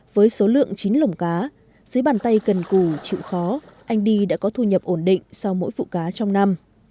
với số lượng chín lồng cá dưới bàn tay cần củ chịu khó anh đi đã có thu nhập ổn định sau mỗi vụ cá trong năm